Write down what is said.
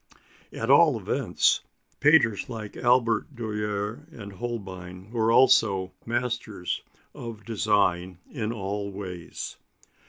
At all events, painters like Albert Dürer and Holbein were also masters of design in all ways.